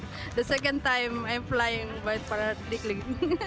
kali kedua saya terbang dengan para layang